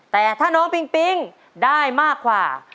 แต่ถ้าน้องปิงปิ๊งได้มากกว่า